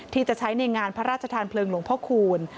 ที่จะใช้ในงานพระราชทานเพลิงหลวงพ่อคูณ